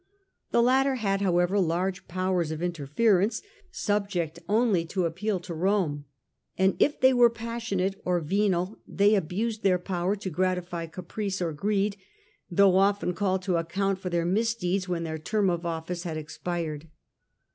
The latter had, however, large powers of provin interference, subject only to appeal to Rome ; cial and if they were passionate or venal they ^ere'ofun abused their power to gratify caprice or greed, though often called to account for with them, their misdeeds when their term of office had expired.